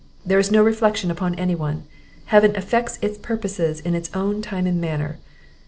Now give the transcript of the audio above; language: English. There is no reflection upon any one; Heaven effects its purposes in its own time and manner.